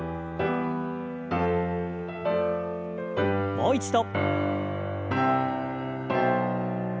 もう一度。